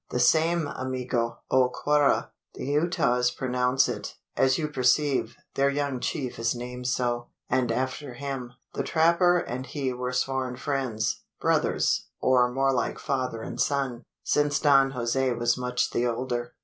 "The same, amigo. Oaquara, the Utahs pronounce it. As you perceive, their young chief is named so, and after him. The trapper and he were sworn friends brothers or more like father and son: since Don Jose was much the older."